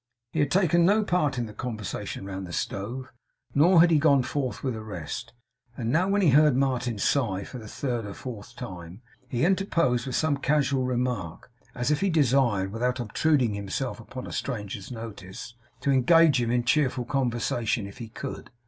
He had taken no part in the conversation round the stove, nor had he gone forth with the rest; and now, when he heard Martin sigh for the third or fourth time, he interposed with some casual remark, as if he desired, without obtruding himself upon a stranger's notice, to engage him in cheerful conversation if he could.